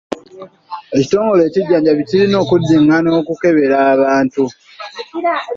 Ekitongole ekijjanjambi kirina okuddingana okukebera abantu.